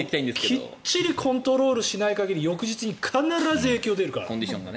きっちりコントロールしない限りは翌日に必ず影響が出るから。